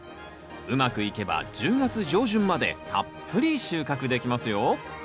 うまくいけば１０月上旬までたっぷり収穫できますよ。